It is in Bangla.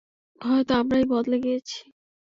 হয়তো আমরাই বদলে গিয়েছি।